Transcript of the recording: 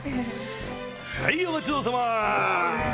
はいお待ちどおさま！